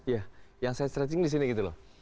ya yang saya stretching di sini gitu loh